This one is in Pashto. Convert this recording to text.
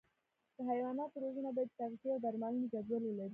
د حیواناتو روزنه باید د تغذیې او درملنې جدول ولري.